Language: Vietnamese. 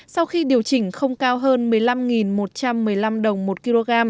sau khi điều chỉnh không cao hơn một mươi năm sáu trăm một mươi một đồng một lit